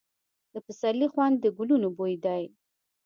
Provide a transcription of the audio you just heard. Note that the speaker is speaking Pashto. د پسرلي خوند د ګلونو بوی دی.